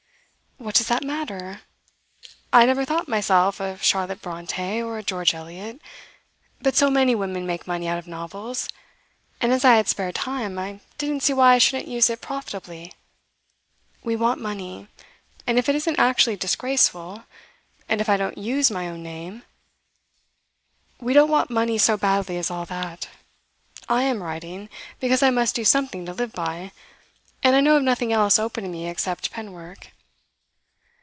'What does that matter? I never thought myself a Charlotte Bronte or a George Eliot. But so many women make money out of novels, and as I had spare time I didn't see why I shouldn't use it profitably. We want money, and if it isn't actually disgraceful and if I don't use my own name ' 'We don't want money so badly as all that. I am writing, because I must do something to live by, and I know of nothing else open to me except pen work.